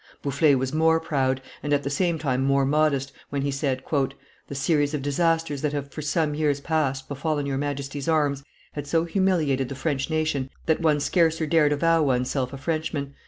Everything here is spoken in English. Boufflers was more proud, and at the same time more modest, when he said, "The series of disasters that have for some years past befallen your Majesty's arms, had so humiliated the French nation that one scarcer dared avow one's self a Frenchman.